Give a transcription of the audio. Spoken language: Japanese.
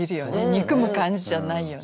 憎む感じじゃないよね。